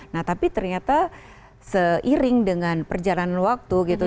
nah tapi ternyata seiring dengan perjalanan waktu gitu